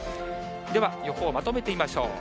では予報、まとめてみましょう。